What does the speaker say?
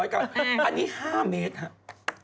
๑๘๐กว่าอันนี้๕เมตรครับ